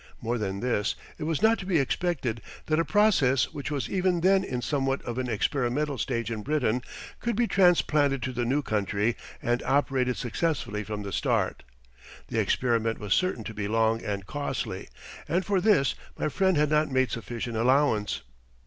More than this, it was not to be expected that a process which was even then in somewhat of an experimental stage in Britain could be transplanted to the new country and operated successfully from the start. The experiment was certain to be long and costly, and for this my friend had not made sufficient allowance.